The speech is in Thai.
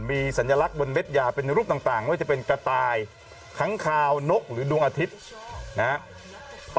มีสัญลักษณ์บนเม็ดยาเป็นรูปต่างไม่ว่าจะเป็นกระต่ายค้างคาวนกหรือดวงอาทิตย์นะครับ